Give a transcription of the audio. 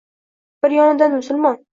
Bir yonidan musulmon.